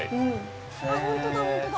ホントだホントだ。